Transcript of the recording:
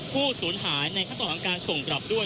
ผู้สูญหายในขั้นตอนของการส่งกลับด้วย